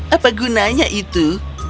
apa gunanya itu